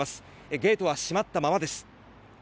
ゲートは閉まったままです。